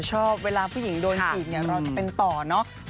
ชอบเวลาผู้หญิงโดนจีบเนี่ยเราจะเป็นต่อเนอะ